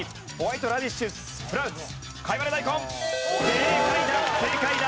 正解だ正解だ。